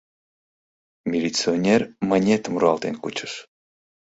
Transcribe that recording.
Милиционер мынетым руалтен кучыш.